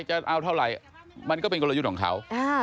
จะเอาเท่าไหร่มันก็เป็นกลยุทธ์ของเขา